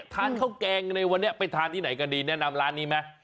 ทานข้าวแกงในวันนี้ไปทานที่ไหนก็ดีแนะนำร้านนี้ไหม